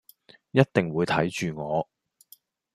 一定會睇住我